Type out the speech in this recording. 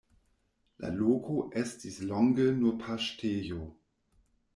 La loko estis longe nur paŝtejo.